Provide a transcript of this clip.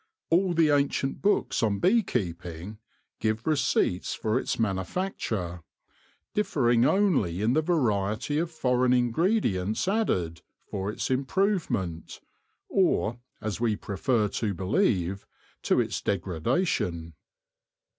All the ancient books on bee keeping give receipts for its manufacture, differing only in the variety of foreign ingredients added for its improvement, or, as we prefer to believe, to its degradation.